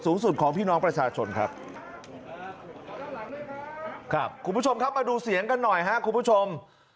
กูเสียงกันหน่อยคุณผู้ชม